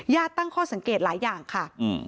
ตั้งข้อสังเกตหลายอย่างค่ะ